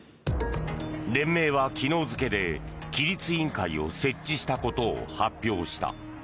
連盟は昨日付で規律委員会を設置したことを発表した。